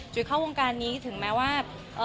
เข้าวงการนี้ถึงแม้ว่า